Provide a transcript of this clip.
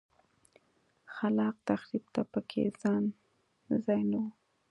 خلاق تخریب ته په کې ځای نه و.